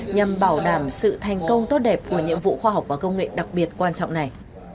nhằm bảo đảm sự thành công tốt đẹp của nhiệm vụ khoa học và công nghệ đặc biệt quan trọng này